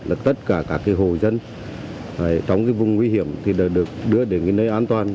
là tất cả các hồ dân trong vùng nguy hiểm được đưa đến nơi an toàn